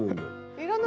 いらない？